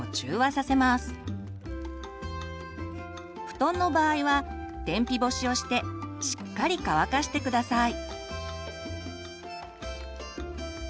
布団の場合は天日干しをしてしっかり乾かして下さい。